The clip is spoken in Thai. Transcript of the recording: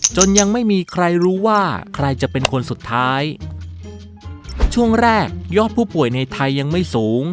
ยังไม่มีใครรู้ว่าใครจะเป็นคนสุดท้ายช่วงแรกยอดผู้ป่วยในไทยยังไม่สูง